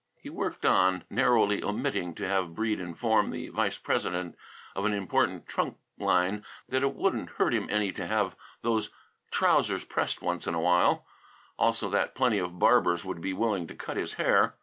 He worked on, narrowly omitting to have Breede inform the vice president of an important trunk line that it wouldn't hurt him any to have those trousers pressed once in a while; also that plenty of barbers would be willing to cut his hair.